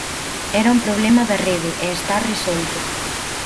Era un problema da rede e está resolto.